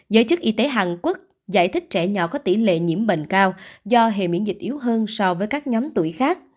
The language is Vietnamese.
giới chức y tế hàn quốc giải thích trẻ nhỏ có tỷ lệ nhiễm bệnh cao do hệ miễn dịch yếu hơn so với các nhóm tuổi khác